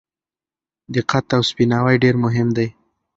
دقت او سپیناوی ډېر مهم دي.